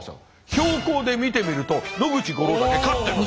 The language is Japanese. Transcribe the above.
標高で見てみると野口五郎岳勝ってます。